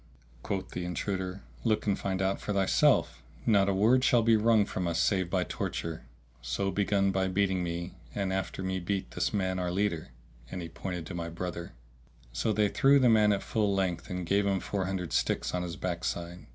Quoth the intruder, "Look and find out for thyself, not a word shall be wrung from us save by torture, so begin by beating me and after me beat this man our leader."[FN#654] And he pointed to my brother. So they threw the man at full length and gave him four hundred sticks on his backside.